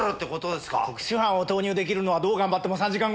特殊班を投入出来るのはどう頑張っても３時間後だ。